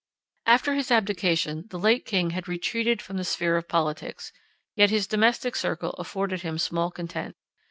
After his abdication the late king had retreated from the sphere of politics, yet his domestic circle afforded him small content.